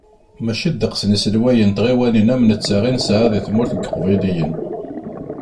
Mačči ddeqs n yiselwayen n tɣiwanin am netta i nesɛa deg Tmurt n Yiqbayliyen.